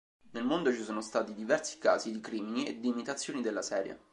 Nel mondo ci sono stati diversi casi di crimini e di imitazioni della serie.